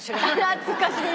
懐かしい！